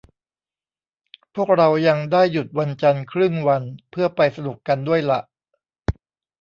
พวกเรายังได้หยุดวันจันทร์ครึ่งวันเพื่อไปสนุกกันด้วยล่ะ